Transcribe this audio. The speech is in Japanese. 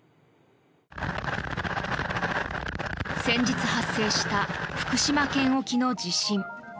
先日発生した福島県沖の地震。